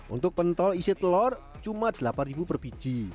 untuk pentol isi telur cuma rp delapan per biji